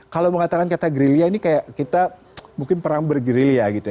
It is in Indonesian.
kalau mengatakan kata grilya ini kayak kita mungkin perang bergerilya gitu ya